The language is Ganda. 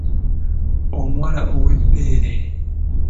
Omuwala ow'ebbeere.